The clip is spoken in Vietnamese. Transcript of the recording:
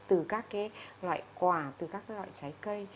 từ các cái loại quả từ các loại trái cây